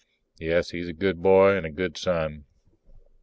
Yes, he's a good boy and a good son.